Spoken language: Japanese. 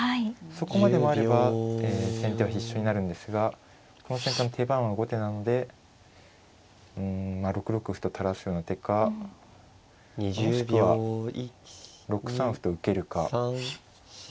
そこまで回れば先手は必勝になるんですがこの瞬間手番は後手なのでうんまあ６六歩と垂らすような手かもしくは６三歩と受けるか。